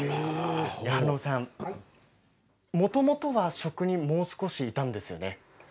もともとは職人もう少しいたんですよね。